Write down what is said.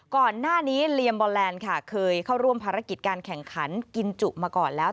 ก่อนหน้านี้เลียมบอลแลนด์ค่ะเคยเข้าร่วมภารกิจการแข่งขันกินจุมาก่อนแล้ว